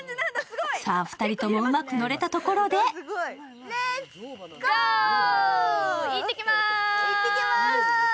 さあ、２人ともうまく乗れたところでいってきまーす！